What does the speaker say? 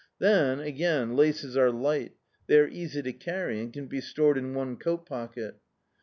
Then, again, laces are light, they are easy to carry and can be stored in one coat pocket.